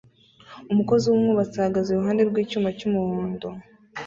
Umukozi wubwubatsi ahagaze iruhande rwicyuma cyumuhondo